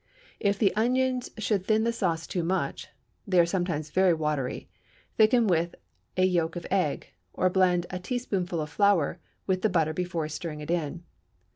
If the onions should thin the sauce too much (they are sometimes very watery), thicken with a yolk of egg, or blend a teaspoonful of flour with the butter before stirring it in.